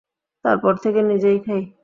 তার পর থেকে নিজেই খাই।